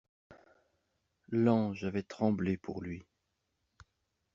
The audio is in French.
L'ange avait tremblé pour lui.